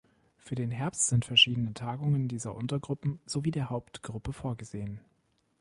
Für den Herbst sind verschiedene Tagungen dieser Untergruppen sowie der Hauptgruppe vorgesehen.